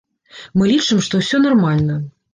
Мы лічым, што ўсё нармальна.